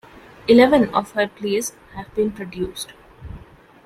Eleven of her plays have been produced.